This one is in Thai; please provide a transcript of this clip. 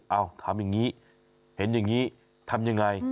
ถามอย่างนี้เห็นอย่างนี้ทำยังไง